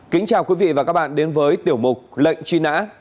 kính chào quý vị và các bạn đến với tiểu mục lệnh truy nã